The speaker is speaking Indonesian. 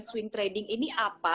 dan swing trading ini apa